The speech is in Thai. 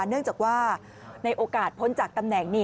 เนื่องจากว่าในโอกาสพ้นจากตำแหน่ง